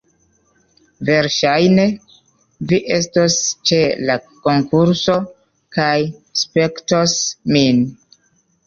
Verŝajne, vi estos ĉe la konkurso kaj spektos min